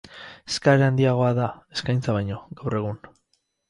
Eskaera handiagoa da, eskaintza baino, gaur egun.